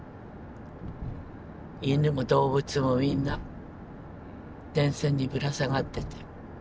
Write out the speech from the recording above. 犬も動物もみんな電線にぶら下がってて。